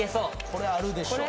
これあるでしょ